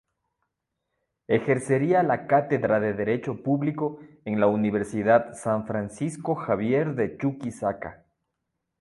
Ejercería la Cátedra de Derecho público en la Universidad San Francisco Xavier de Chuquisaca.